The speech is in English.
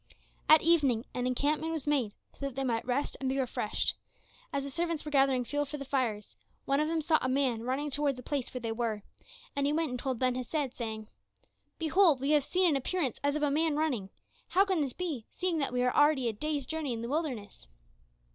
At evening an encampment was made so that they might rest and be refreshed. As the servants were gathering fuel for the fires, one of them saw a man running toward the place where they were, and he went and told Ben Hesed, saying, "Behold, we have seen an appearance as of a man running. How can this be, seeing that we are already a day's journey in the wilderness?"